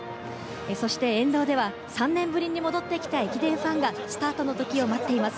そして沿道では３年ぶりに戻ってきた駅伝ファンがスタートの時を待っています。